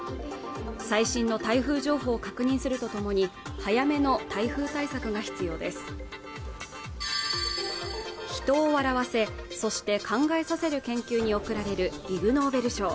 最新の台風情報を確認するとともに早めの台風対策が必要です人を笑わせ、そして考えさせる研究に贈られるイグ・ノーベル賞